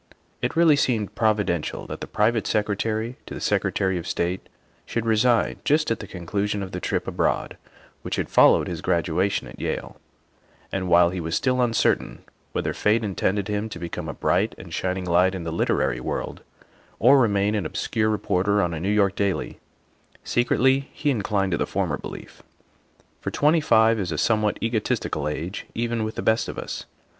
It really seemed providential that the private secretary to the Secretary of State should resign just at the conclusion of the trip abroad which had followed his graduation at Yale, and while he was still uncertain whether Fate intended him to become a bright and shining light in the literary world or remain an obscure reporter on a New York daily; secretly, he inclined to the former belief, for twenty five is a somewhat egotistical age even with the best of us.